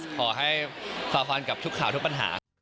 ขอให้ฝ่าฟันกับทุกข่าวทุกปัญหา